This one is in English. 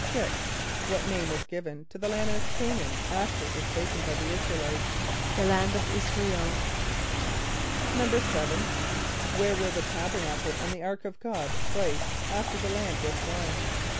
= What name was given to the land of C[=a]´n[)a]an after it was taken by the [)I][s+]´ra el [=i]tes? =The land of [)I][s+]´ra el.= =7.= Where were the Tabernacle and the ark of God placed after the land was won?